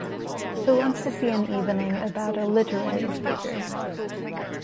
Who wants to see an evening about a literary figure?